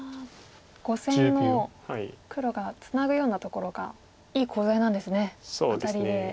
５線の黒がツナぐようなところがいいコウ材なんですねアタリで。